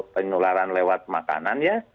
penularan lewat makanan ya